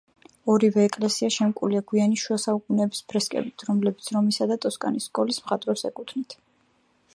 ორივე ეკლესია შემკულია გვიანი შუა საუკუნეების ფრესკებით, რომლებიც რომისა და ტოსკანის სკოლის მხატვრებს ეკუთვნით.